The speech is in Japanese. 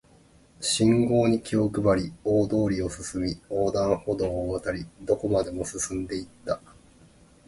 信号に気を配り、大通りを進み、横断歩道を渡り、どこまでも進んで行った